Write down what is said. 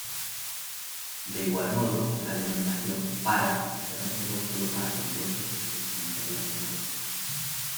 De igual modo, la denominación "para" se reservó sólo para compuestos estrechamente relacionados.